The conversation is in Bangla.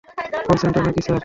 কল সেন্টার নাকি, স্যার?